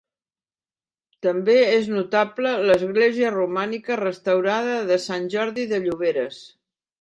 També és notable l'església romànica restaurada de Sant Jordi de Lloberes.